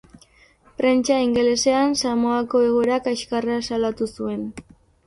Prentsa ingelesean Samoako egoera kaskarra salatu zuen.